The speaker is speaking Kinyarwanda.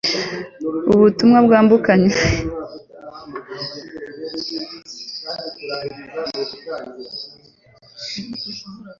ubutumwa bwambukiranya imipaka